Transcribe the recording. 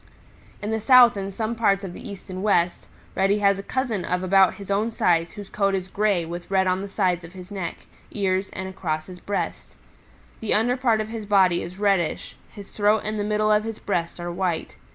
"In the South and some parts of the East and West, Reddy has a cousin of about his own size whose coat is gray with red on the sides of his neck, ears and across his breast. The under part of his body is reddish, his throat and the middle of his breast are white.